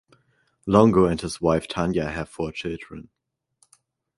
Longo and his wife Tanya have four children.